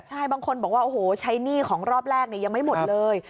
ใช่บางคนบอกว่าโอ้โหใช้หนี้ของรอบแรกยังไม่หมดเลย